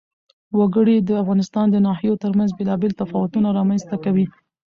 وګړي د افغانستان د ناحیو ترمنځ بېلابېل تفاوتونه رامنځ ته کوي.